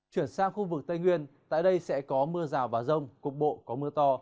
chuyển sang khu vực tây nguyên tại đây sẽ có mưa rào và rông cục bộ có mưa to